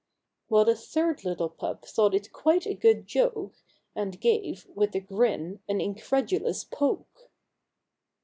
While the third little Pup thought it quite a good joke, And gave, with a grin, an incredulous poke.